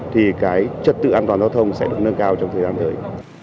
thì cái trật tự an toàn giao thông sẽ được nâng cao trong thời gian tới